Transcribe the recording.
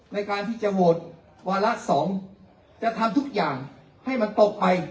ในการที่จะโหวตวาระ๒จะทำทุกอย่างให้มันตกไป